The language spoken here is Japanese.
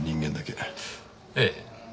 ええ。